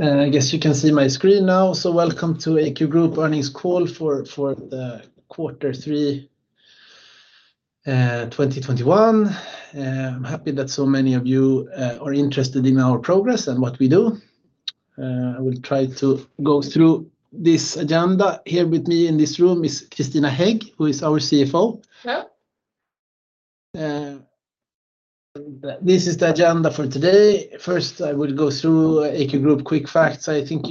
I guess you can see my screen now. Welcome to AQ Group earnings call for the quarter three, 2021. I'm happy that so many of you are interested in our progress and what we do. I will try to go through this agenda. Here with me in this room is Christina Hegg, who is our CFO. Hello. This is the agenda for today. First, I will go through AQ Group quick facts. I think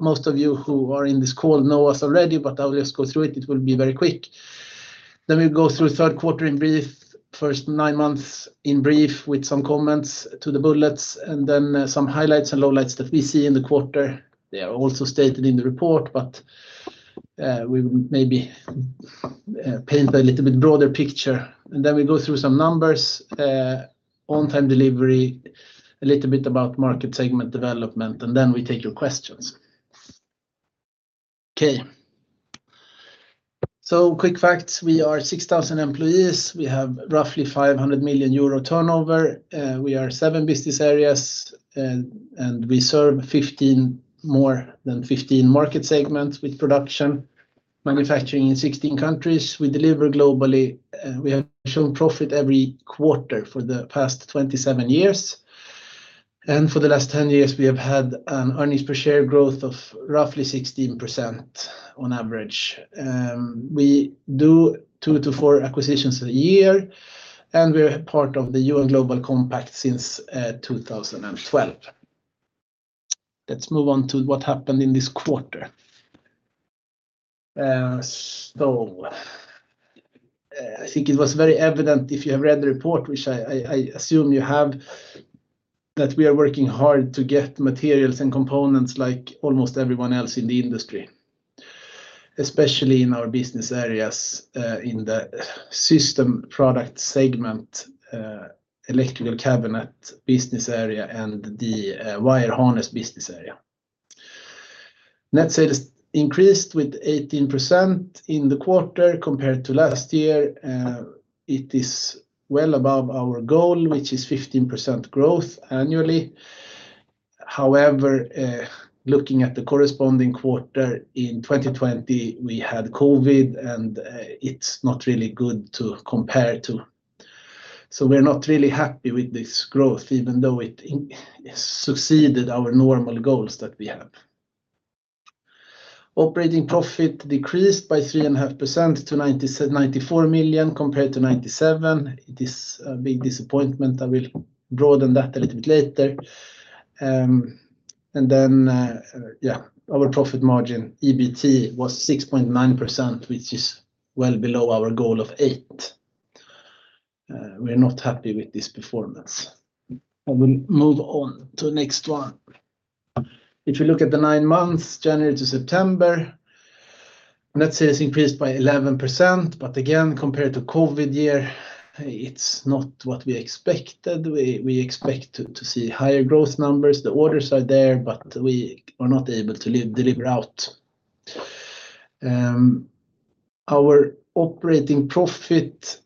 most of you who are in this call know us already, I will just go through it. It will be very quick. We'll go through third quarter in brief, first nine months in brief, with some comments to the bullets, some highlights and lowlights that we see in the quarter. They are also stated in the report, we maybe paint a little bit broader picture. We go through some numbers, on-time delivery, a little bit about market segment development, and then we take your questions. Okay. Quick facts. We are 6,000 employees. We have roughly 500 million euro turnover. We are seven business areas, and we serve more than 15 market segments with production, manufacturing in 16 countries. We deliver globally. We have shown profit every quarter for the past 27 years. For the last 10 years, we have had an earnings per share growth of roughly 16% on average. We do two to four acquisitions a year, and we're part of the UN Global Compact since 2012. Let's move on to what happened in this quarter. I think it was very evident if you have read the report, which I assume you have, that we are working hard to get materials and components like almost everyone else in the industry, especially in our business areas, in the system product segment, electrical cabinet business area, and the wire harness business area. Net sales increased with 18% in the quarter compared to last year. It is well above our goal, which is 15% growth annually. However, looking at the corresponding quarter in 2020, we had COVID, and it is not really good to compare to. We are not really happy with this growth, even though it succeeded our normal goals that we have. Operating profit decreased by 3.5% to 94 million compared to 97 million. It is a big disappointment. I will broaden that a little bit later. Our profit margin, EBT, was 6.9%, which is well below our goal of 8%. We're not happy with this performance. I will move on to the next one. If you look at the 9 months, January to September, net sales increased by 11%. Compared to COVID year, it's not what we expected. We expect to see higher growth numbers. The orders are there, but we are not able to deliver out. Our operating profit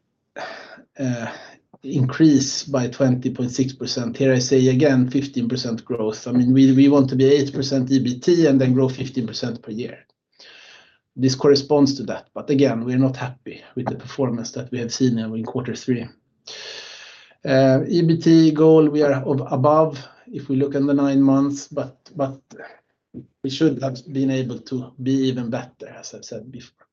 increased by 20.6%. Here I say again, 15% growth. We want to be 8% EBT and then grow 15% per year. This corresponds to that, but again, we're not happy with the performance that we have seen now in Q3. EBT goal we are above if we look in the 9 months, but we should have been able to be even better, as I've said before.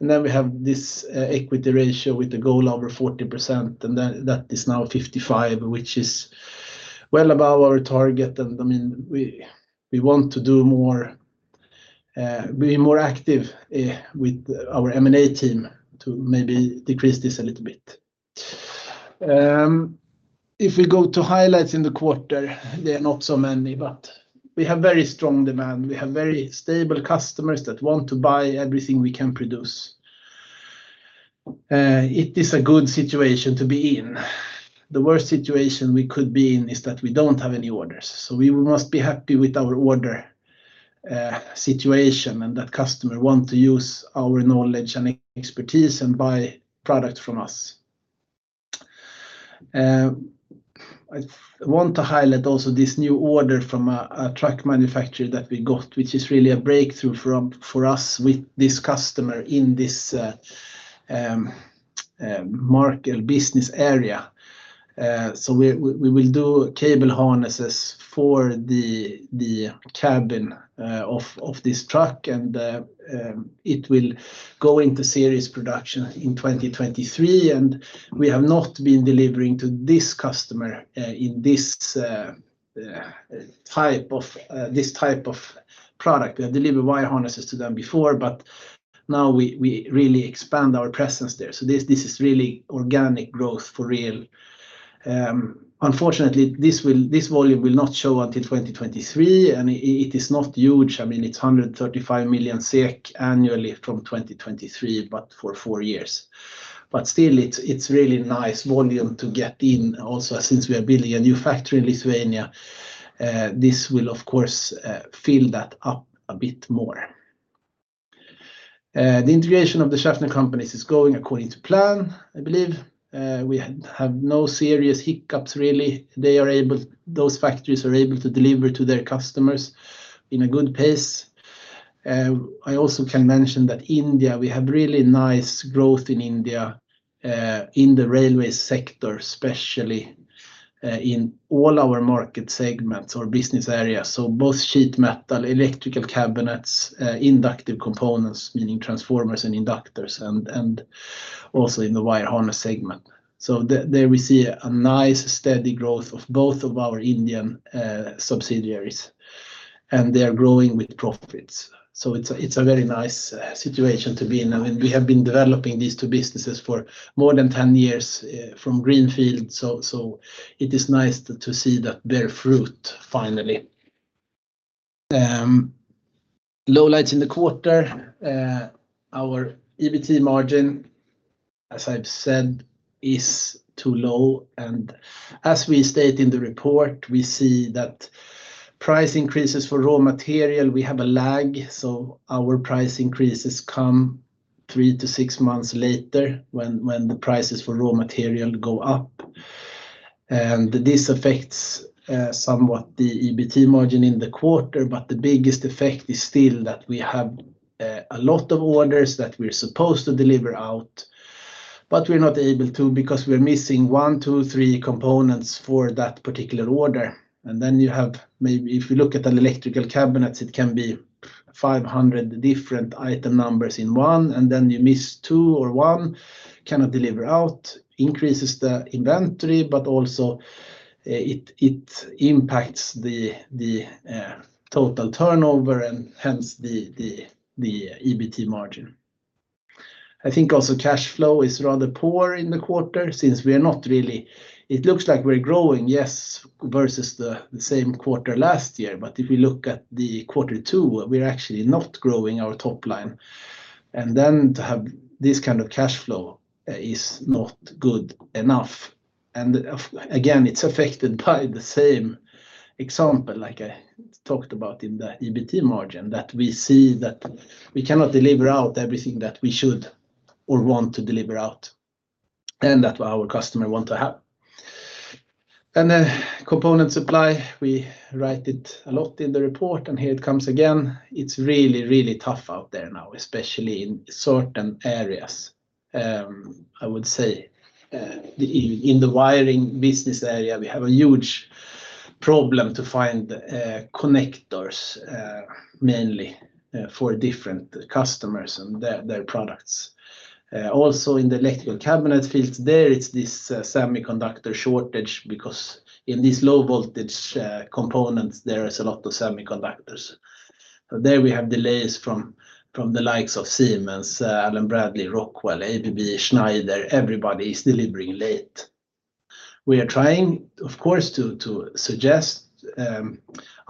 We have this equity ratio with the goal over 40%, and that is now 55%, which is well above our target. We want to be more active with our M&A team to maybe decrease this a little bit. If we go to highlights in the quarter, there are not so many, but we have very strong demand. We have very stable customers that want to buy everything we can produce. It is a good situation to be in. The worst situation we could be in is that we don't have any orders, so we must be happy with our order situation and that customer want to use our knowledge and expertise and buy product from us. I want to highlight also this new order from a truck manufacturer that we got, which is really a breakthrough for us with this customer in this market business area. We will do cable harnesses for the cabin of this truck, and it will go into series production in 2023. We have not been delivering to this customer in this type of product. We have delivered wire harnesses to them before, but now we really expand our presence there. This is really organic growth for real. Unfortunately, this volume will not show until 2023, and it is not huge. It's 135 million SEK annually from 2023, but for four years. Still, it's really nice volume to get in also since we are building a new factory in Lithuania. This will of course fill that up a bit more. The integration of the Schaffner companies is going according to plan, I believe. We have no serious hiccups, really. Those factories are able to deliver to their customers in a good pace. I also can mention that India, we have really nice growth in India, in the railway sector, especially in all our market segments or business areas. Both sheet metal, electrical cabinets, inductive components, meaning transformers and inductors, and also in the wire harness segment. There we see a nice steady growth of both of our Indian subsidiaries, and they are growing with profits. It's a very nice situation to be in. We have been developing these two businesses for more than 10 years from greenfield, so it is nice to see that bear fruit finally. Lowlights in the quarter. Our EBT margin, as I've said, is too low, and as we state in the report, we see that price increases for raw material, we have a lag, so our price increases come three to six months later when the prices for raw material go up. This affects somewhat the EBT margin in the quarter. The biggest effect is still that we have a lot of orders that we're supposed to deliver out, we're not able to because we're missing one, two, three components for that particular order. You have maybe if you look at an electrical cabinets, it can be 500 different item numbers in one, then you miss two or one, cannot deliver out, increases the inventory, also it impacts the total turnover and hence the EBT margin. I think also cash flow is rather poor in the quarter since we are not really. It looks like we're growing, yes, versus the same quarter last year, if you look at the quarter two, we're actually not growing our top line. To have this kind of cash flow is not good enough. Again, it's affected by the same example like I talked about in the EBT margin that we see that we cannot deliver out everything that we should or want to deliver out and that our customer want to have. Then component supply, we write it a lot in the report, and here it comes again. It's really, really tough out there now, especially in certain areas. I would say in the wiring business area, we have a huge problem to find connectors, mainly for different customers and their products. Also in the electrical cabinet field, there it's this semiconductor shortage because in these low voltage components, there is a lot of semiconductors. There we have delays from the likes of Siemens, Allen-Bradley, Rockwell, ABB, Schneider, everybody is delivering late. We are trying, of course, to suggest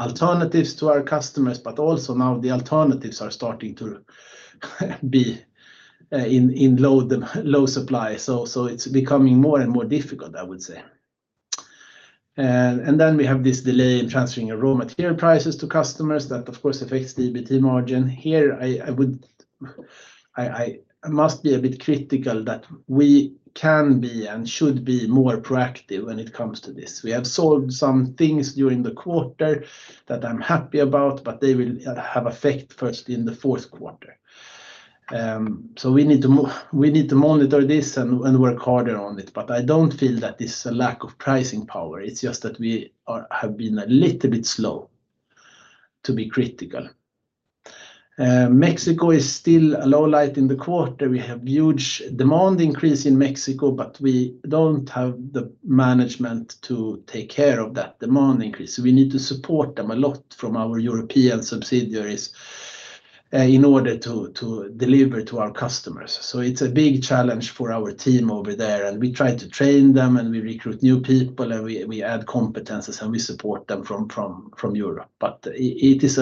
alternatives to our customers. Also now the alternatives are starting to be in low supply. It is becoming more and more difficult, I would say. We have this delay in transferring raw material prices to customers that, of course, affects the EBT margin. Here, I must be a bit critical that we can be and should be more proactive when it comes to this. We have solved some things during the quarter that I am happy about. They will have effect first in the fourth quarter. We need to monitor this and work harder on it. I do not feel that this is a lack of pricing power. It is just that we have been a little bit slow to be critical. Mexico is still a lowlight in the quarter. We have huge demand increase in Mexico, we don't have the management to take care of that demand increase. We need to support them a lot from our European subsidiaries in order to deliver to our customers. It's a big challenge for our team over there, and we try to train them, and we recruit new people, and we add competencies and we support them from Europe. It's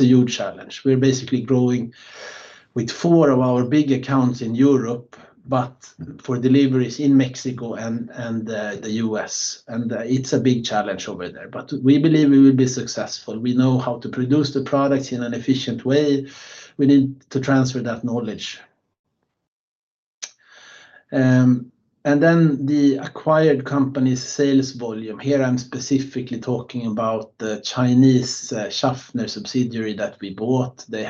a huge challenge. We're basically growing with four of our big accounts in Europe, but for deliveries in Mexico and the U.S. It's a big challenge over there. We believe we will be successful. We know how to produce the products in an efficient way. We need to transfer that knowledge. The acquired company's sales volume. Here I'm specifically talking about the Chinese Schaffner subsidiary that we bought. They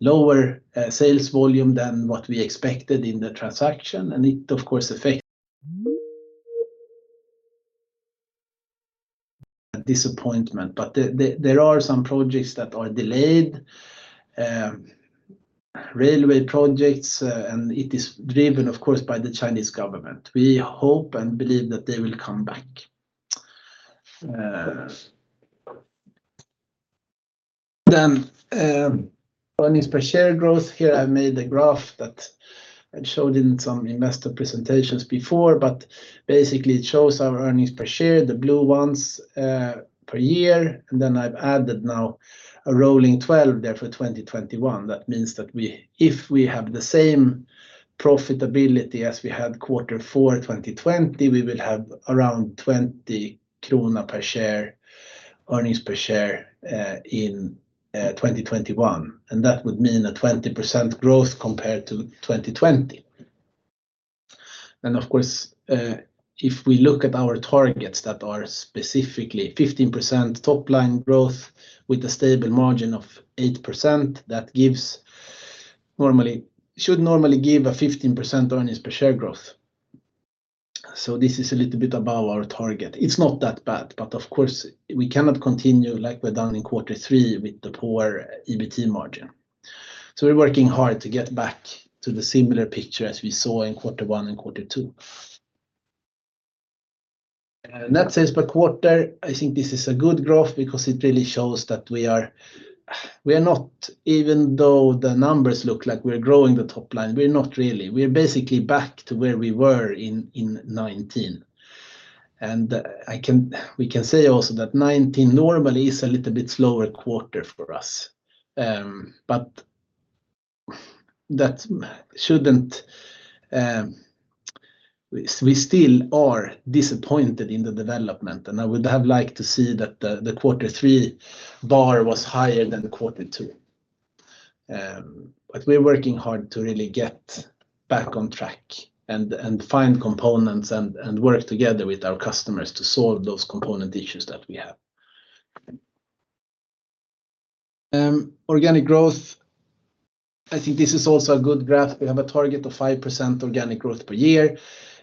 have lower sales volume than what we expected in the transaction, and it, of course, affect disappointment but there are some projects that are delayed, railway projects, and it is driven, of course, by the Chinese government. Earnings per share growth. Here I've made a graph that I showed in some investor presentations before, but basically it shows our earnings per share, the blue ones per year. I've added now a rolling 12 there for 2021. That means that if we have the same profitability as we had quarter four 2020, we will have around 20 krona per share, earnings per share in 2021. That would mean a 20% growth compared to 2020. Of course, if we look at our targets that are specifically 15% top-line growth with a stable margin of 8%, that should normally give a 15% earnings per share growth. This is a little bit above our target. It's not that bad, but of course, we cannot continue like we've done in quarter three with the poor EBT margin. We're working hard to get back to the similar picture as we saw in quarter one and quarter two. Net sales per quarter, I think this is a good growth because it really shows that even though the numbers look like we're growing the top line, we're not really. We're basically back to where we were in 2019. We can say also that 2019 normally is a little bit slower quarter for us. We still are disappointed in the development, and I would have liked to see that the quarter three bar was higher than the quarter two. We're working hard to really get back on track and find components and work together with our customers to solve those component issues that we have. Organic growth, I think this is also a good graph. We have a target of 5% organic growth per year.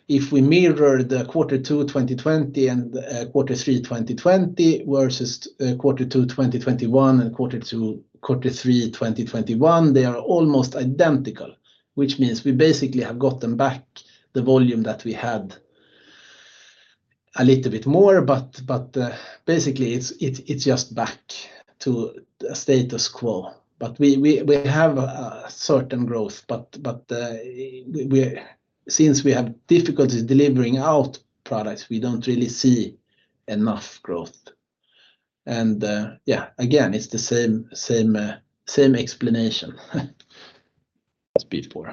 If we mirror the quarter two 2020 and quarter three 2020 versus quarter two 2021 and quarter three 2021, they are almost identical, which means we basically have gotten back the volume that we had a little bit more, but basically it's just back to status quo. We have a certain growth, but since we have difficulties delivering out products, we don't really see enough growth. Yeah, again, it's the same explanation as before.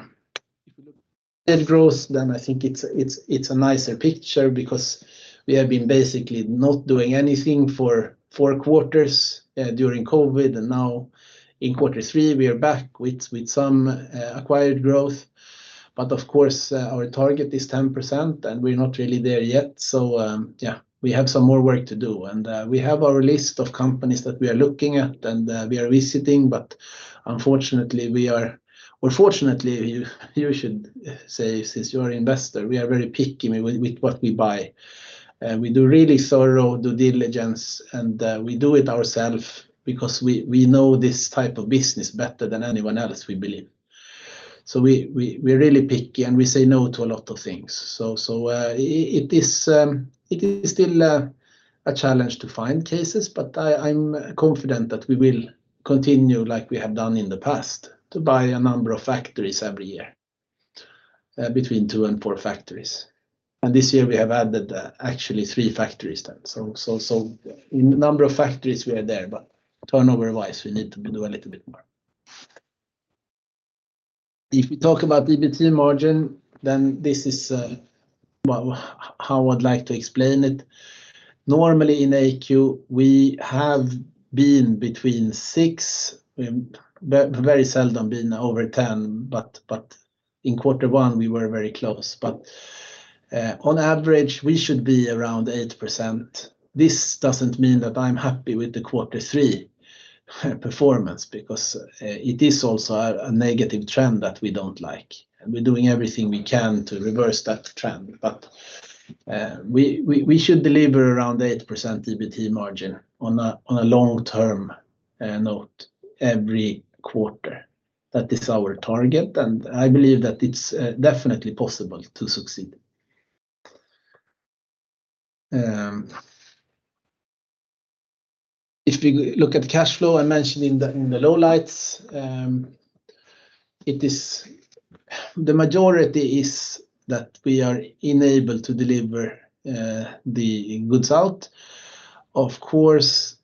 If you look at growth, I think it's a nicer picture because we have been basically not doing anything for four quarters, during COVID, now in quarter three, we are back with some acquired growth. Of course, our target is 10%, we're not really there yet. Yeah, we have some more work to do. We have our list of companies that we are looking at and we are visiting, unfortunately, or fortunately, here I should say, since you're an investor, we are very picky with what we buy. We do really thorough due diligence, we do it ourself because we know this type of business better than anyone else, we believe. We're really picky, we say no to a lot of things. It is still a challenge to find cases, but I'm confident that we will continue like we have done in the past to buy a number of factories every year, between two and four factories. This year we have added actually three factories then. In number of factories, we are there, but turnover-wise, we need to do a little bit more. If we talk about EBT margin, this is how I'd like to explain it. Normally in AQ, we have been between six, very seldom been over 10, but in quarter one, we were very close. On average, we should be around 8%. This doesn't mean that I'm happy with the quarter three performance because it is also a negative trend that we don't like, and we're doing everything we can to reverse that trend. We should deliver around 8% EBT margin on a long-term note every quarter. That is our target, and I believe that it's definitely possible to succeed. If you look at cash flow, I mentioned in the lowlights, the majority is that we are unable to deliver the goods out. Of course,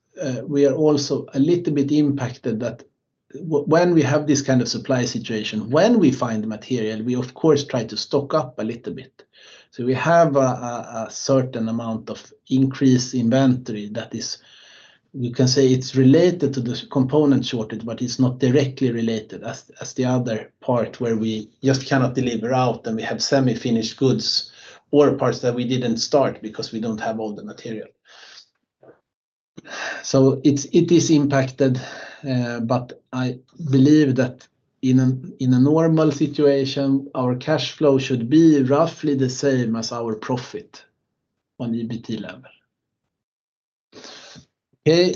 we are also a little bit impacted that when we have this kind of supply situation, when we find material, we of course try to stock up a little bit. We have a certain amount of increased inventory that is, we can say it's related to this component shortage, but it's not directly related as the other part where we just cannot deliver out, and we have semi-finished goods or parts that we didn't start because we don't have all the material. It is impacted, but I believe that in a normal situation, our cash flow should be roughly the same as our profit on EBT level. Okay.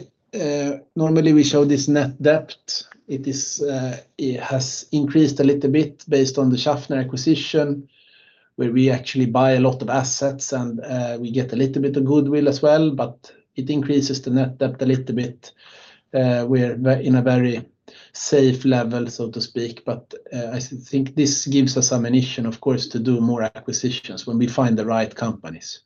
Normally we show this net debt. It has increased a little bit based on the Schaffner acquisition, where we actually buy a lot of assets and we get a little bit of goodwill as well, but it increases the net debt a little bit. We're in a very safe level, so to speak, but I think this gives us ammunition, of course, to do more acquisitions when we find the right companies.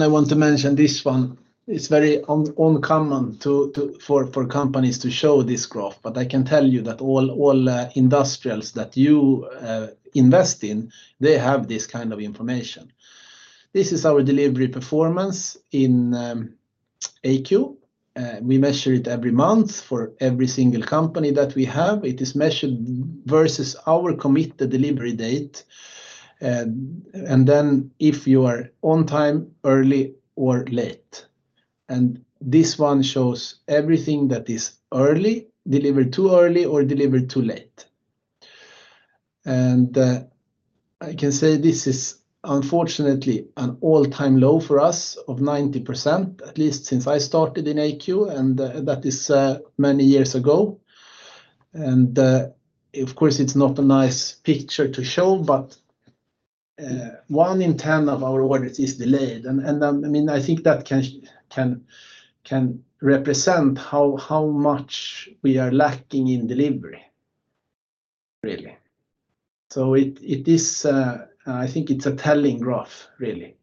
I want to mention this one. It's very uncommon for companies to show this graph, but I can tell you that all industrials that you invest in, they have this kind of information. This is our delivery performance in AQ. We measure it every month for every single company that we have. It is measured versus our committed delivery date, if you are on time, early or late. This one shows everything that is early, delivered too early or delivered too late. I can say this is unfortunately an all-time low for us of 90%, at least since I started in AQ, and that is many years ago. Of course, it's not a nice picture to show, but one in 10 of our orders is delayed, and I think that can represent how much we are lacking in delivery, really. I think it's a telling graph, really.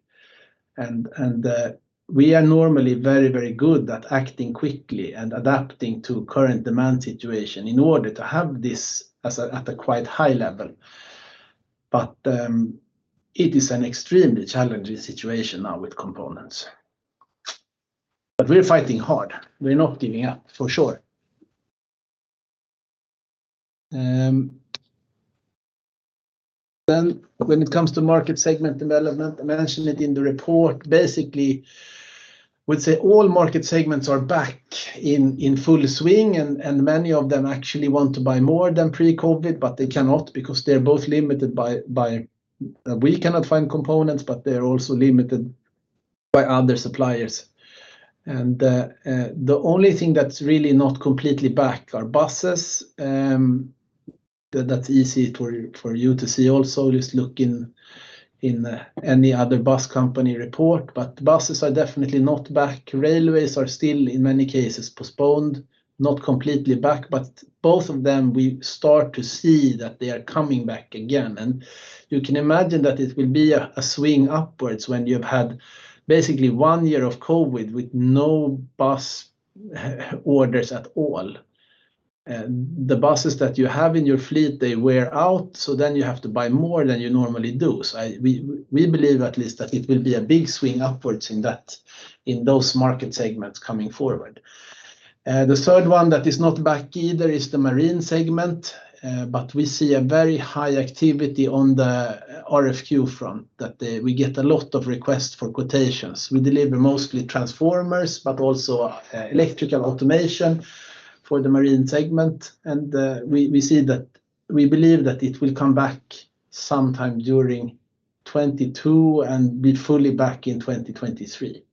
We are normally very good at acting quickly and adapting to current demand situation in order to have this at a quite high level. It is an extremely challenging situation now with components. We're fighting hard. We're not giving up, for sure. When it comes to market segment development, I mentioned it in the report, basically, would say all market segments are back in full swing, and many of them actually want to buy more than pre-COVID, but they cannot because we cannot find components, but they're also limited by other suppliers. The only thing that's really not completely back are buses. That's easy for you to see also, just look in any other bus company report. Buses are definitely not back. Railways are still, in many cases, postponed, not completely back, but both of them, we start to see that they are coming back again. You can imagine that it will be a swing upwards when you've had basically one year of COVID with no bus orders at all. The buses that you have in your fleet, they wear out, so then you have to buy more than you normally do. We believe at least that it will be a big swing upwards in those market segments coming forward. The third one that is not back either is the marine segment. We see a very high activity on the RFQ front that we get a lot of requests for quotations. We deliver mostly transformers, but also electrical automation for the marine segment. We believe that it will come back sometime during 2022 and be fully back in 2023.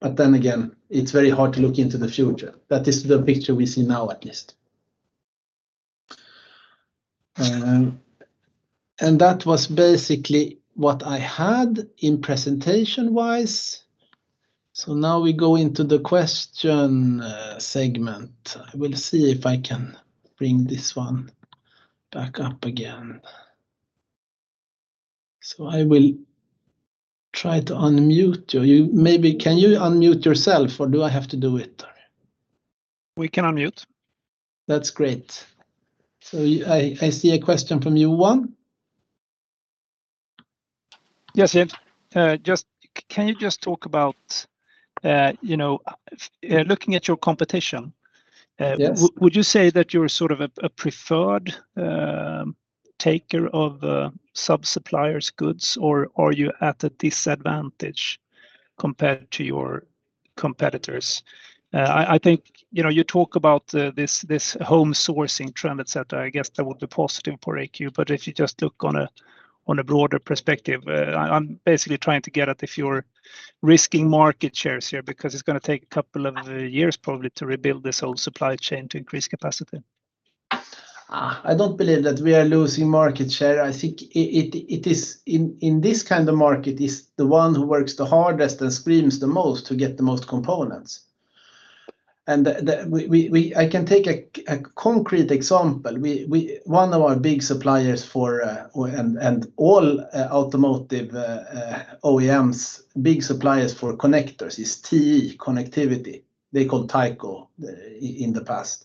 Then again, it's very hard to look into the future. That is the picture we see now at least. That was basically what I had in presentation-wise. Now we go into the question segment. I will see if I can bring this one back up again. I will try to unmute you. Can you unmute yourself, or do I have to do it? We can unmute. That's great. I see a question from you, Juan. Yes. Can you just talk about looking at your competition. Yes Would you say that you're sort of a preferred taker of sub-suppliers' goods, or are you at a disadvantage compared to your competitors? You talk about this home sourcing trend, et cetera. I guess that would be positive for AQ. If you just look on a broader perspective, I'm basically trying to get at if you're risking market shares here because it's going to take a couple of years probably to rebuild this whole supply chain to increase capacity. I don't believe that we are losing market share. I think in this kind of market, it's the one who works the hardest and screams the most to get the most components. I can take a concrete example. One of our big suppliers for all automotive OEMs big suppliers for connectors is TE Connectivity. They were called Tyco in the past.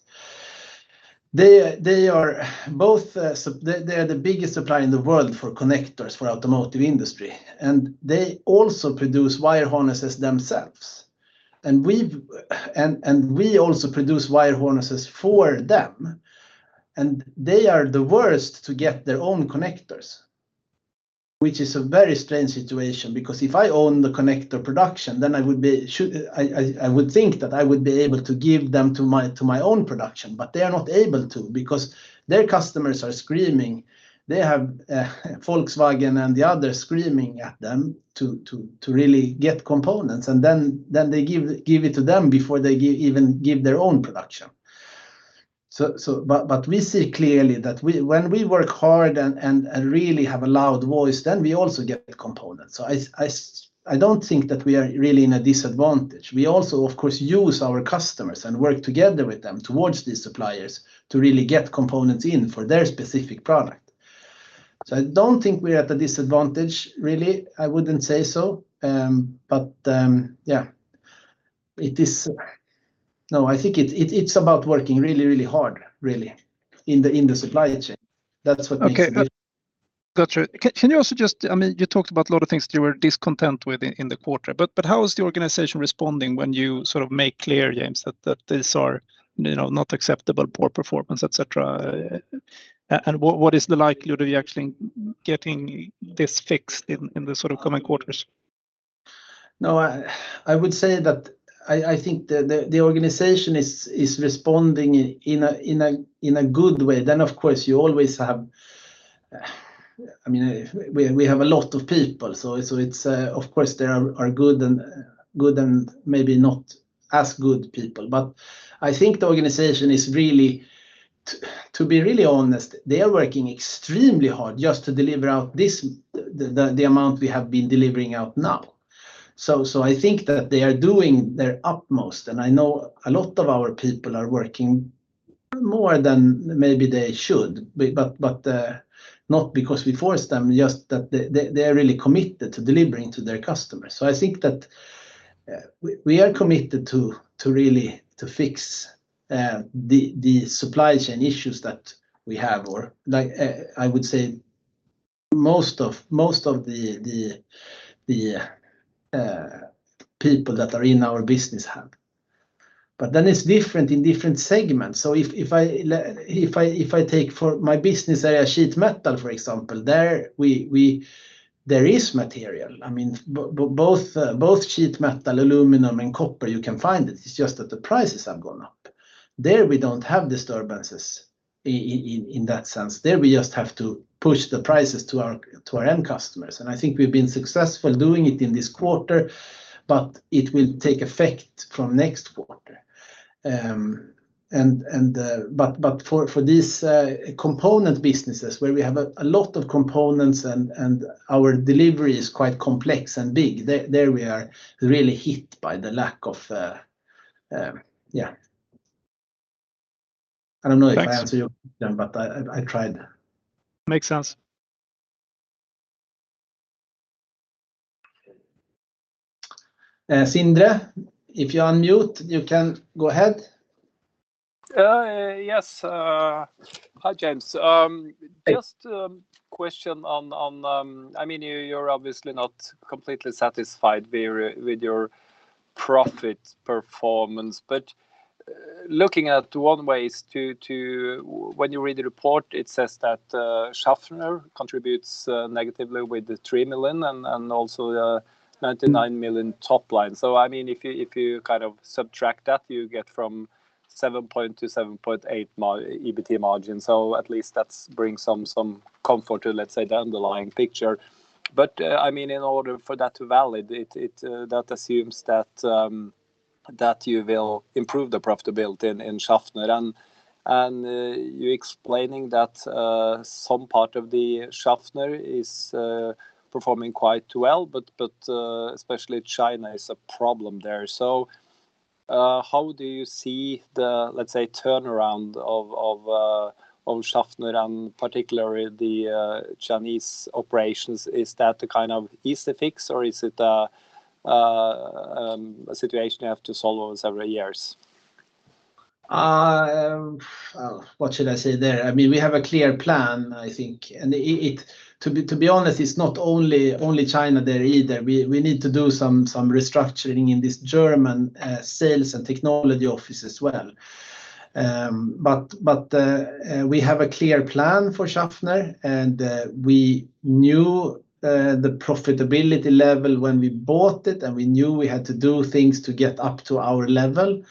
They are the biggest supplier in the world for connectors for automotive industry, and they also produce wire harnesses themselves. We also produce wire harnesses for them, and they are the worst to get their own connectors, which is a very strange situation because if I own the connector production, then I would think that I would be able to give them to my own production, but they are not able to because their customers are screaming. They have Volkswagen and the others screaming at them to really get components. Then they give it to them before they even give their own production. We see clearly that when we work hard and really have a loud voice, we also get the components. I don't think that we are really in a disadvantage. We also, of course, use our customers and work together with them towards these suppliers to really get components in for their specific product. I don't think we're at a disadvantage, really. I wouldn't say so. No, I think it's about working really hard in the supply chain. Okay. Got you. You talked about a lot of things that you were discontent with in the quarter, but how is the organization responding when you make clear, James, that these are not acceptable, poor performance, et cetera? What is the likelihood of you actually getting this fixed in the coming quarters? I would say that I think the organization is responding in a good way. Of course, we have a lot of people. Of course, there are good and maybe not as good people, but I think the organization is, to be really honest, they are working extremely hard just to deliver out the amount we have been delivering out now. I think that they are doing their utmost, and I know a lot of our people are working more than maybe they should, but not because we force them, just that they are really committed to delivering to their customers. I think that we are committed to really fix the supply chain issues that we have, or I would say most of the people that are in our business have. It's different in different segments. If I take for my business area, sheet metal, for example, there is material. Both sheet metal, aluminum, and copper, you can find it. It's just that the prices have gone up. There we don't have disturbances in that sense. There we just have to push the prices to our end customers, and I think we've been successful doing it in this quarter, but it will take effect from next quarter. For these component businesses where we have a lot of components and our delivery is quite complex and big, there we are really hit by the lack of. I don't know if I answered your question, but I tried. Makes sense. Sindre, if you unmute, you can go ahead. Yes. Hi, James. Hey. Just a question on, you are obviously not completely satisfied with your profit performance, but looking at one way is to, when you read the report, it says that Schaffner contributes negatively with the 3 million and also the 99 million top line. If you subtract that, you get from 7% to 7.8% EBIT margin. At least that brings some comfort to, let's say, the underlying picture. In order for that to valid, that assumes that you will improve the profitability in Schaffner. You explaining that some part of the Schaffner is performing quite well, but especially China is a problem there. How do you see the, let's say, turnaround of Schaffner and particularly the Chinese operations? Is that a kind of easy fix or is it a situation you have to solve over several years? What should I say there? We have a clear plan, I think. To be honest, it's not only China there either. We need to do some restructuring in this German sales and technology office as well. We have a clear plan for Schaffner, and we knew the profitability level when we bought it, and we knew we had to do things to get up to our level.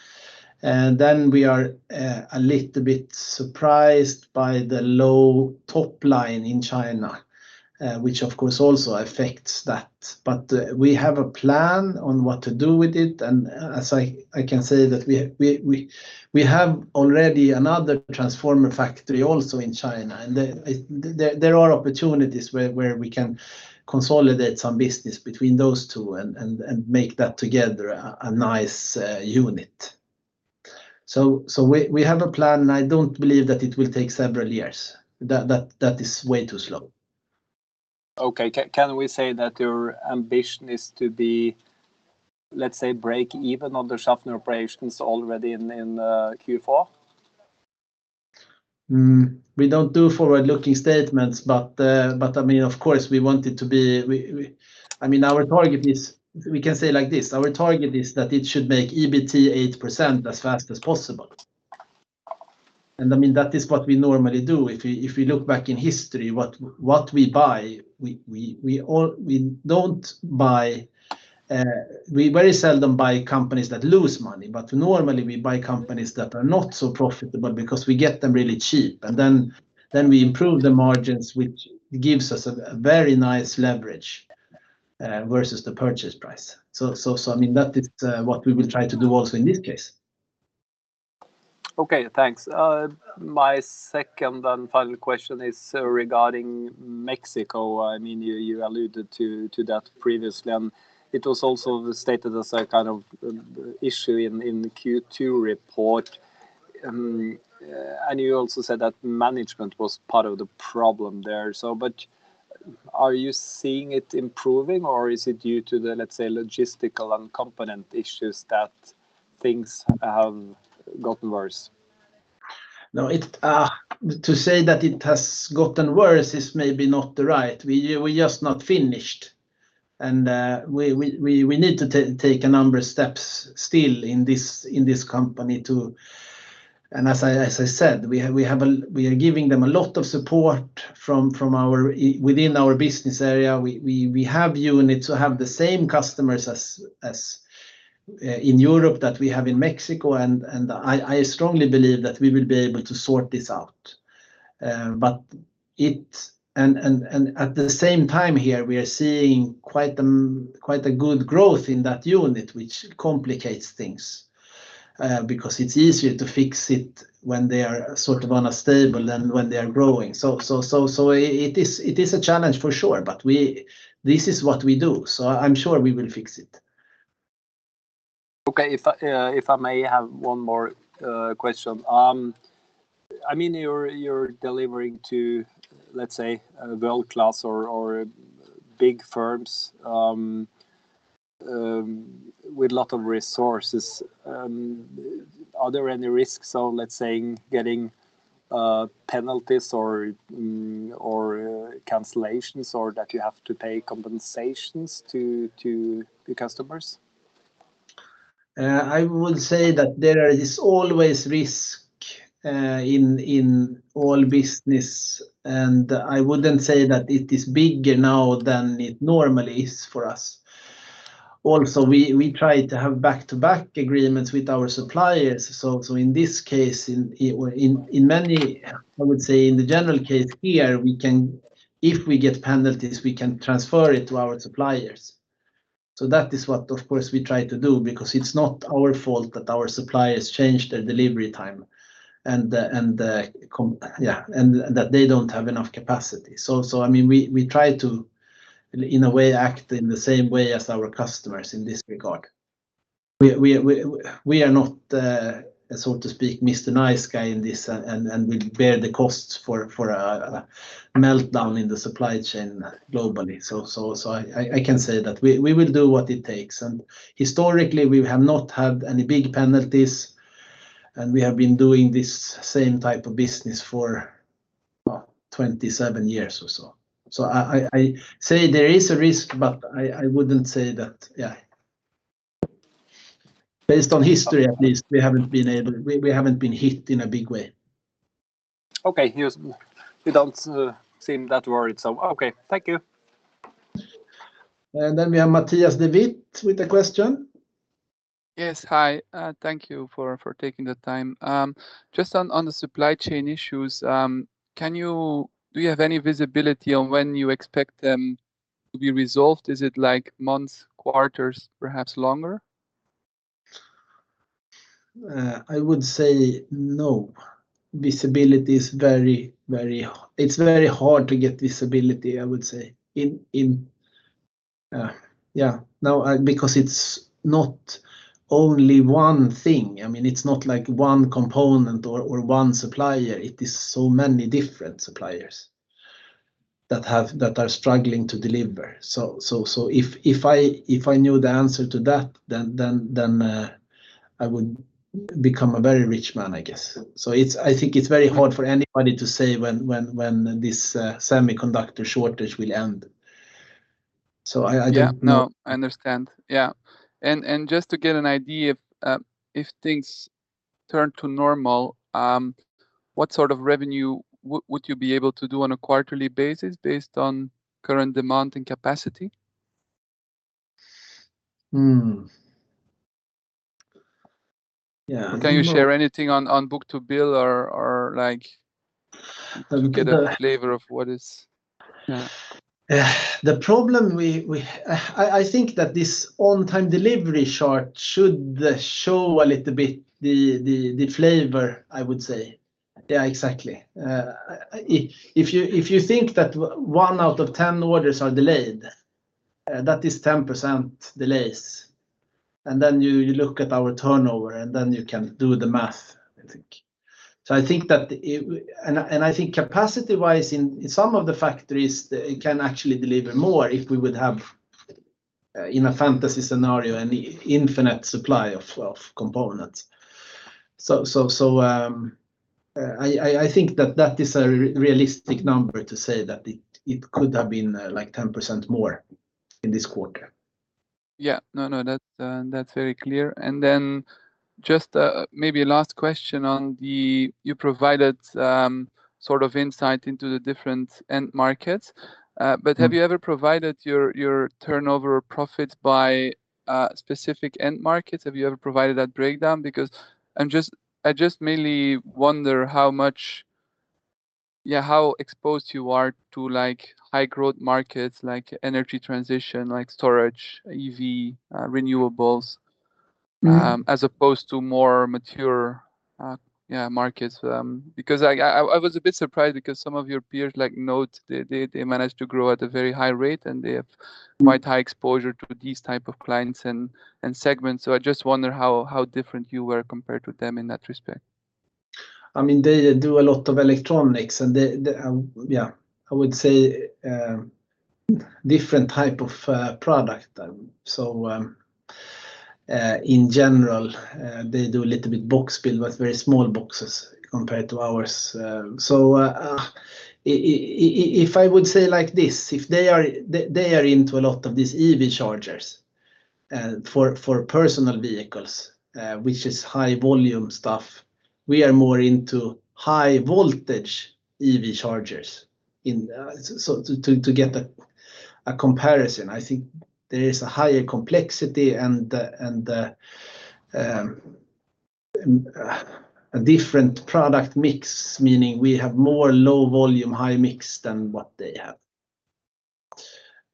We are a little bit surprised by the low top line in China, which of course also affects that. We have a plan on what to do with it. As I can say that we have already another transformer factory also in China, and there are opportunities where we can consolidate some business between those two and make that together a nice unit. We have a plan, and I don't believe that it will take several years. That is way too slow. Okay. Can we say that your ambition is to be, let's say, break even on the Schaffner operations already in Q4? We don't do forward-looking statements, but of course our target is that it should make EBIT 8% as fast as possible. That is what we normally do. If we look back in history, what we buy, we very seldom buy companies that lose money, but normally we buy companies that are not so profitable because we get them really cheap, and then we improve the margins, which gives us a very nice leverage versus the purchase price. That is what we will try to do also in this case. Okay, thanks. My second and final question is regarding Mexico. You alluded to that previously, it was also stated as a kind of issue in the Q2 report. You also said that management was part of the problem there. Are you seeing it improving or is it due to the, let's say, logistical and component issues that things have gotten worse? No, to say that it has gotten worse is maybe not right. We're just not finished. We need to take a number of steps still in this company. As I said, we are giving them a lot of support from within our business area. We have units who have the same customers in Europe that we have in Mexico, and I strongly believe that we will be able to sort this out. At the same time here, we are seeing quite a good growth in that unit, which complicates things, because it's easier to fix it when they are sort of unstable than when they are growing. It is a challenge for sure, but this is what we do, so I'm sure we will fix it. Okay. If I may have one more question. You're delivering to, let's say, world-class or big firms with lot of resources. Are there any risks on, let's say, getting penalties or cancellations or that you have to pay compensations to the customers? I would say that there is always risk in all business. I wouldn't say that it is bigger now than it normally is for us. Also, we try to have back-to-back agreements with our suppliers. In this case, I would say in the general case here, if we get penalties, we can transfer it to our suppliers. That is what, of course, we try to do, because it's not our fault that our suppliers changed their delivery time and that they don't have enough capacity. We try to, in a way, act in the same way as our customers in this regard. We are not, so to speak, Mr. Nice Guy in this, and we bear the costs for a meltdown in the supply chain globally. I can say that we will do what it takes. Historically, we have not had any big penalties, and we have been doing this same type of business for 27 years or so. I say there is a risk, but I wouldn't say that, based on history at least, we haven't been hit in a big way. Okay. You don't seem that worried. Okay. Thank you. We have Matthias de Wit with a question. Yes. Hi. Thank you for taking the time. Just on the supply chain issues, do you have any visibility on when you expect them to be resolved? Is it months, quarters, perhaps longer? I would say no. It's very hard to get visibility, I would say. It's not only one thing. It's not one component or one supplier. It is so many different suppliers that are struggling to deliver. If I knew the answer to that, then I would become a very rich man, I guess. I think it's very hard for anybody to say when this semiconductor shortage will end. I don't know. Yeah. No, I understand. Yeah. Just to get an idea, if things turn to normal, what sort of revenue would you be able to do on a quarterly basis based on current demand and capacity? Hmm. Yeah. Can you share anything on book-to-bill or to get a flavor of what is? I think that this on-time delivery chart should show a little bit the flavor, I would say. Yeah, exactly. If you think that one out of 10 orders are delayed, that is 10% delays. Then you look at our turnover, and then you can do the math, I think. I think capacity-wise, in some of the factories, it can actually deliver more if we would have, in a fantasy scenario, an infinite supply of components. I think that is a realistic number to say that it could have been 10% more in this quarter. No, that's very clear. Just maybe a last question on the. You provided sort of insight into the different end markets. Have you ever provided your turnover profits by specific end markets? Have you ever provided that breakdown? I just mainly wonder how exposed you are to high growth markets, like energy transition, like storage, EV, renewables, as opposed to more mature markets. I was a bit surprised because some of your peers, like NOTE, they managed to grow at a very high rate, and they have quite high exposure to these type of clients and segments. I just wonder how different you were compared to them in that respect. They do a lot of electronics and I would say different type of product. In general, they do a little bit box build, but very small boxes compared to ours. If I would say like this, they are into a lot of these EV chargers for personal vehicles, which is high volume stuff. We are more into high voltage EV chargers. To get a comparison, I think there is a higher complexity and a different product mix, meaning we have more low volume, high mix than what they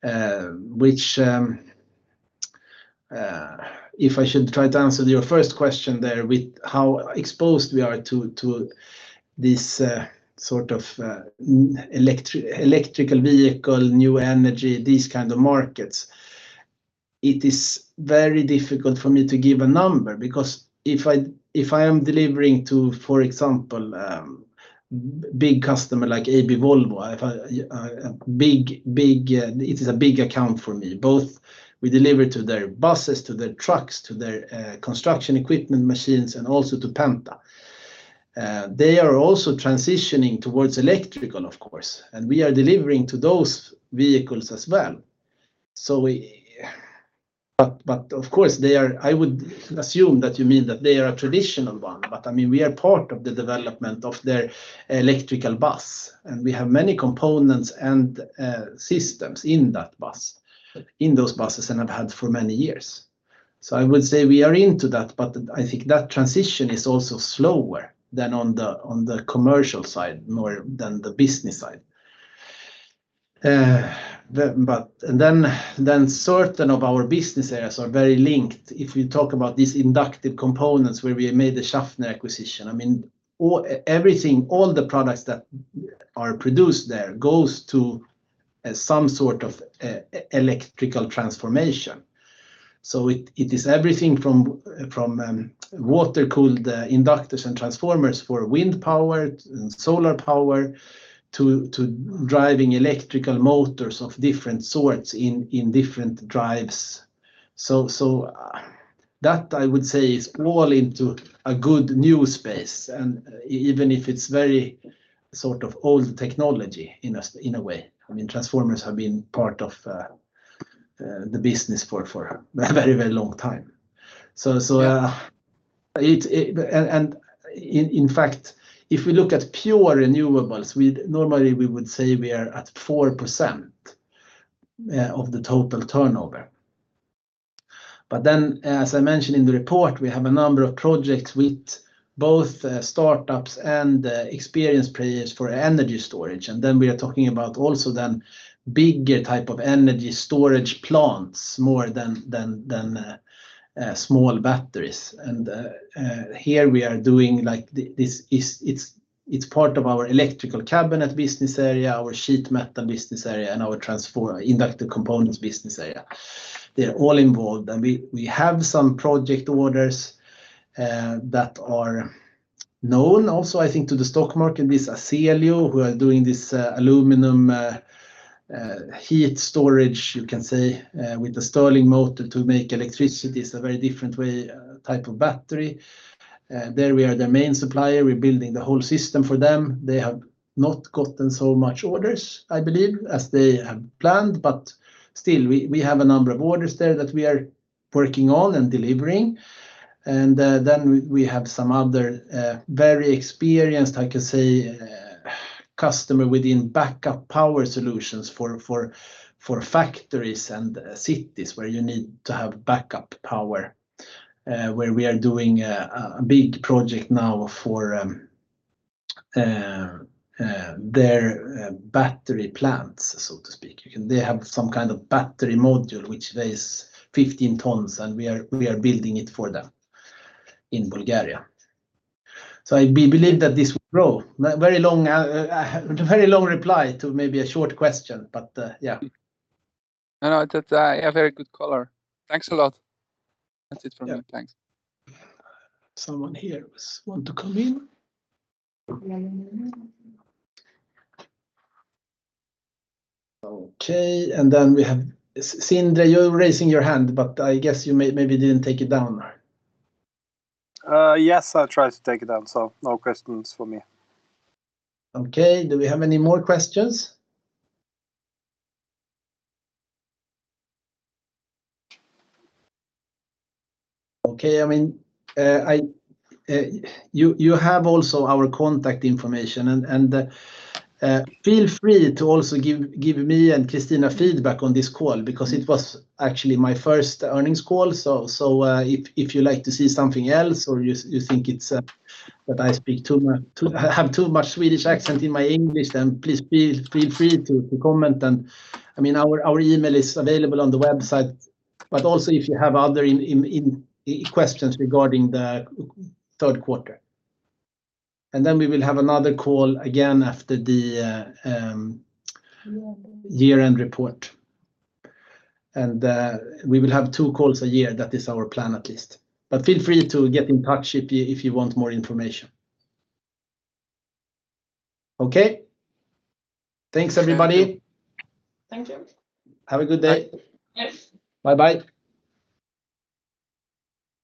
have. Which if I should try to answer your first question there with how exposed we are to this sort of electrical vehicle, new energy, these kind of markets, it is very difficult for me to give a number because if I am delivering to, for example, big customer like AB Volvo, it is a big account for me. We deliver to their buses, to their trucks, to their construction equipment machines, and also to Penta. They are also transitioning towards electrical, of course, we are delivering to those vehicles as well. Of course, I would assume that you mean that they are a traditional one, we are part of the development of their electrical bus, we have many components and systems in those buses and have had for many years. I would say we are into that, I think that transition is also slower than on the commercial side, more than the business side. Certain of our business areas are very linked. If we talk about these inductive components where we made the Schaffner acquisition, all the products that are produced there goes to some sort of electrical transformation. It is everything from water-cooled inductors and transformers for wind power and solar power to driving electrical motors of different sorts in different drives. That I would say is all into a good new space. Even if it's very old technology in a way, transformers have been part of the business for a very long time. In fact, if we look at pure renewables, normally we would say we are at 4% of the total turnover. As I mentioned in the report, we have a number of projects with both startups and experienced players for energy storage. We are talking about also bigger type of energy storage plants more than small batteries. Here we are doing like it's part of our electrical cabinet business area, our sheet metal business area, and our inductive components business area. They're all involved. We have some project orders that are known also, I think, to the stock market with Azelio who are doing this aluminum heat storage, you can say, with the Stirling motor to make electricity. It's a very different type of battery. There we are their main supplier. We're building the whole system for them. They have not gotten so much orders, I believe, as they have planned, but still, we have a number of orders there that we are working on and delivering. Then we have some other very experienced, I can say, customer within backup power solutions for factories and cities where you need to have backup power where we are doing a big project now for their battery plants, so to speak. They have some kind of battery module which weighs 15 tons, and we are building it for them in Bulgaria. We believe that this will grow. Very long reply to maybe a short question, yeah. No, a very good color. Thanks a lot. That's it from me. Thanks. Someone here want to come in? Okay, we have Sindre, you're raising your hand, but I guess you maybe didn't take it down, right? Yes, I tried to take it down, so no questions for me. Okay. Do we have any more questions? Okay. You have also our contact information and feel free to also give me and Christina feedback on this call because it was actually my first earnings call. If you like to see something else or you think that I have too much Swedish accent in my English, then please feel free to comment. Our email is available on the website. Also if you have other questions regarding the third quarter. Then we will have another call again after the year-end report. We will have two calls a year. That is our plan at least. Feel free to get in touch if you want more information. Okay. Thanks everybody. Thank you. Have a good day. Yes. Bye.